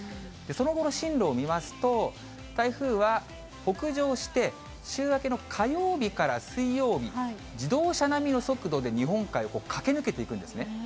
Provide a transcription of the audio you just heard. その後の進路を見ますと、台風は北上して、週明けの火曜日から水曜日、自動車並みの速度で日本海を駆け抜けていくんですね。